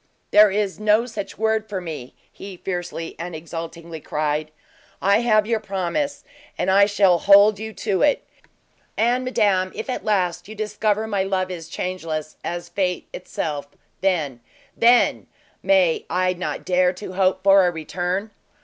"There is no such word for me!" he fiercely and exultingly cried. "I have your promise, and I shall hold you to it! And, madame, if, at last, you discover my love is changeless as fate itself, then then may I not dare to hope for a return?"